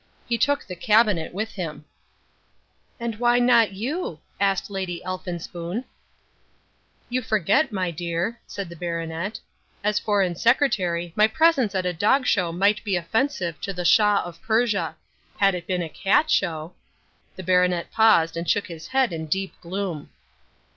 He took the Cabinet with him." "And why not you?" asked Lady Elphinspoon. "You forget, my dear," said the baronet, "as Foreign Secretary my presence at a Dog Show might be offensive to the Shah of Persia. Had it been a Cat Show " The baronet paused and shook his head in deep gloom.